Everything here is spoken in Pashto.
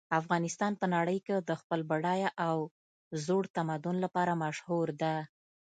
افغانستان په نړۍ کې د خپل بډایه او زوړ تمدن لپاره مشهور ده